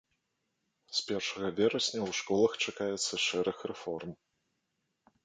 З першага верасня ў школах чакаецца шэраг рэформ.